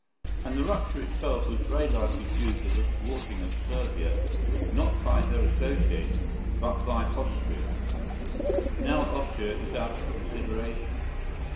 And the rupture itself was very largely due to the thwarting of Servia, not by her associates, but by Austria. Now Austria is out of consideration.